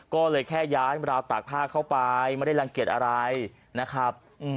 ก็เลยแค่ย้ายราวตากผ้าเข้าไปไม่ได้รังเกียจอะไรนะครับ